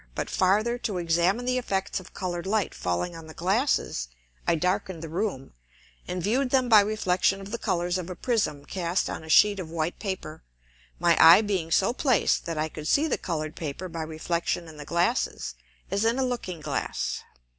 But farther to examine the Effects of colour'd Light falling on the Glasses, I darken'd the Room, and view'd them by Reflexion of the Colours of a Prism cast on a Sheet of white Paper, my Eye being so placed that I could see the colour'd Paper by Reflexion in the Glasses, as in a Looking glass.